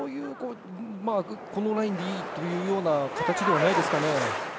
このラインでいいというような形ではないですかね。